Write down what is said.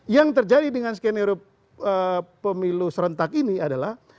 yang terjadi dengan skenario pemilu serentak ini adalah